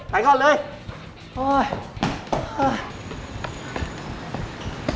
ไปเข้าเลยโอ้ย